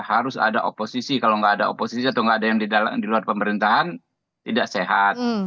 harus ada oposisi kalau nggak ada oposisi atau nggak ada yang di luar pemerintahan tidak sehat